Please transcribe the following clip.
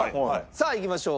さあいきましょう。